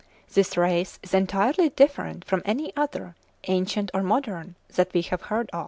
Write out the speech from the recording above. This race is "entirely different from any other, ancient or modern, that we have heard of."